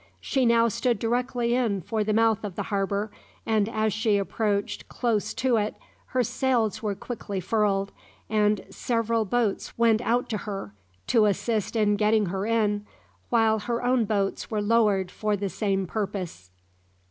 She now stood directly in for the mouth of the harbour, and as she approached close to it her sails were quickly furled, and several boats went out to her, to assist in getting her in, while her own boats were lowered for the same purpose.